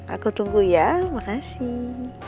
aku tunggu ya makasih